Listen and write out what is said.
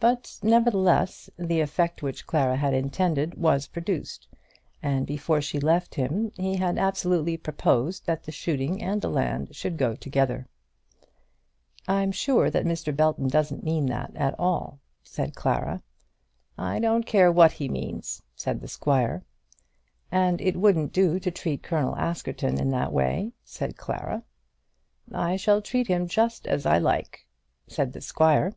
But, nevertheless, the effect which Clara had intended was produced, and before she left him he had absolutely proposed that the shooting and the land should go together. "I'm sure that Mr. Belton doesn't mean that at all," said Clara. "I don't care what he means," said the squire. "And it wouldn't do to treat Colonel Askerton in that way," said Clara. "I shall treat him just as I like," said the squire.